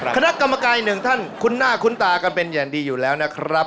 คณะกรรมการหนึ่งท่านคุ้นหน้าคุ้นตากันเป็นอย่างดีอยู่แล้วนะครับ